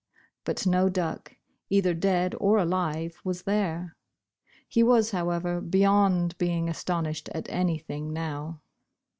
But no duck, either dead or alive, was there. He was, however, be yond being astonished at anything now.